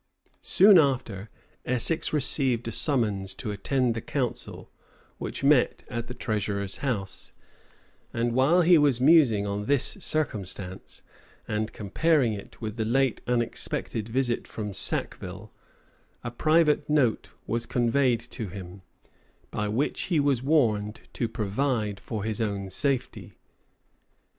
Soon after, Essex received a summons to attend the council, which met at the treasurer's house; and while he was musing on this circumstance, and comparing it with the late unexpected visit from Sacville, a private note was conveyed to him, by which he was warned to provide for his own safety.